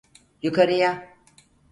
Yukarıya!